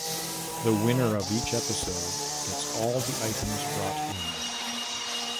The winner of each episode gets all the items brought in.